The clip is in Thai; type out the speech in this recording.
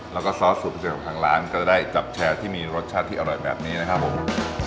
แล้วก็ซอสสูตรพิเศษของทางร้านก็จะได้จับแชร์ที่มีรสชาติที่อร่อยแบบนี้นะครับผม